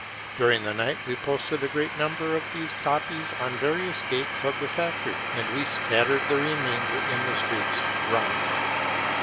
During the night we pbsted a great number of these copies on various gates of the factory, and we scattered the remainder in the streets round.